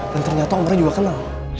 dan ternyata om ra juga kenal